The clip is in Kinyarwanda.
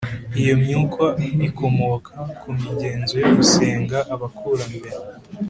iyo myuka ikomoka ku migenzo yo gusenga abakurambere